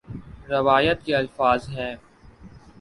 روایت کے الفاظ ہیں